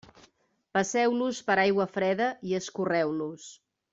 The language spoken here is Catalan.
Passeu-los per aigua freda i escorreu-los.